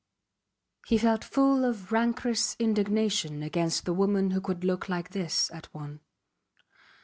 He felt full of rancorous indignation against the woman who could look like this at one.